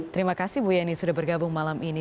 terima kasih ibu yani sudah bergabung malam ini